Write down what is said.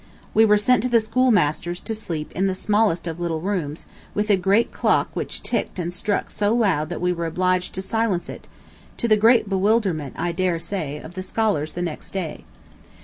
... We were sent to the schoolmaster's to sleep in the smallest of little rooms, with a great clock which ticked and struck so loud that we were obliged to silence it, to the great bewilderment, I dare say, of the scholars the next day.